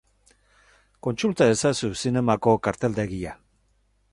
Kontsulta ezazu zinemako karteldegia.